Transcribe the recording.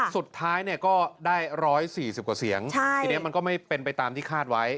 สุดท้ายเนี่ยก็ได้๑๔๐กว่าเสียงทีนี้มันก็ไม่เป็นไปตามที่คาดไว้